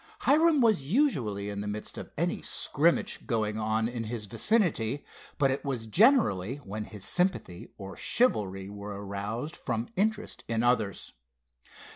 Hiram was usually in the midst of any "scrimmage" going on in his vicinity, but it was generally when his sympathy, or chivalry, were aroused from interest in others.